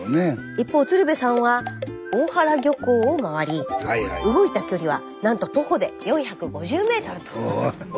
一方鶴瓶さんは大原漁港を回り動いた距離はなんと徒歩で４５０ｍと。